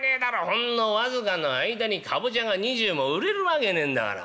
ほんの僅かの間にかぼちゃが２０も売れるわけねえんだから。何が？